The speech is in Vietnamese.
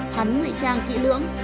hắn ngụy trang kỹ lưỡng